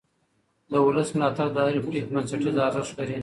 د ولس ملاتړ د هرې پرېکړې بنسټیز ارزښت لري